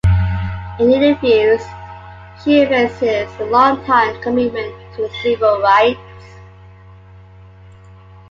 In interviews she evinces a longtime commitment to civil rights.